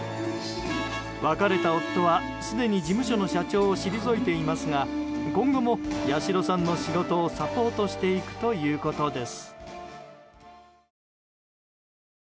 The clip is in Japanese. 別れた夫はすでに事務所の社長を退いていますが今後も八代さんの仕事をサポートしていくということです。